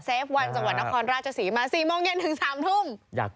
เซฟวันสวรรค์นครราชสีมา๔โมงเย็นถึง๓ทุ่ม